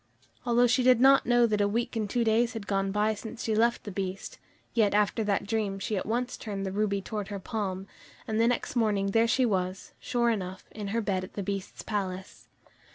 Although she did not know that a week and two days had gone by since she left the Beast, yet after that dream she at once turned the ruby towards her palm, and the next morning there she was, sure enough, in her bed in the Beast's palace.